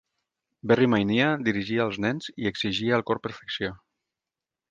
Barry Mineah dirigia als nens, i exigia al cor perfecció.